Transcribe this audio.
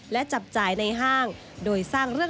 แต่สุดท้ายก็ต้องซื้อ